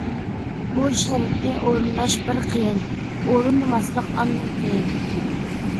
بۇ شەرتنى ئورۇنداش بىر قىيىن، ئورۇندىماسلىق ئاندىن قىيىن.